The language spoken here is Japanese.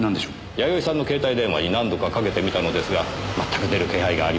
やよいさんの携帯電話に何度かかけてみたのですがまったく出る気配がありません。